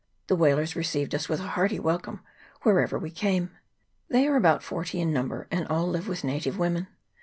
The whalers received us with a hearty welcome wherever we came. They are about forty in number, and all live with native women.